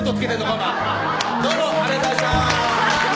お前どうもありがとうございました